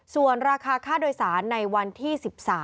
ส่วนราคาค่าโดยสารในวันที่๑๓